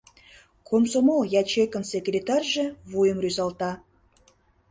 Комсомол ячейкын секретарьже вуйым рӱзалта.